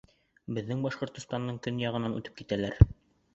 Беҙҙең Башҡортостандың көньяғынан үтеп китәләр.